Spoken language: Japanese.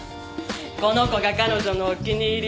この子が彼女のお気に入り。